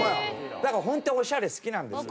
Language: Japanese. だから本当にオシャレ好きなんですよ。